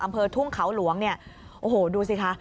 อำเภอทุ่งเขาหลวงเนี่ยโอ้โหดูสิคะ